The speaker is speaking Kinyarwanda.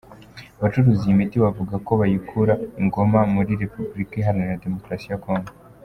Abacuruza iyi miti bavuga ko bayikura i Goma muri Repeburika Iharanira Demukarasi ya Congo.